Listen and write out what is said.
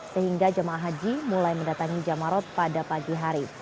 sehingga jemaah haji mulai mendatangi jamarot pada pagi hari